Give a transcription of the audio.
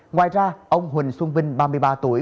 ngoài ra ông huỳnh xuân vinh ba mươi ba tuổi